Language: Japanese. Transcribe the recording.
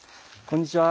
こんにちは。